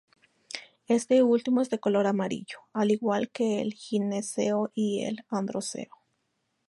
Este último es de color amarillo, al igual que el gineceo y el androceo.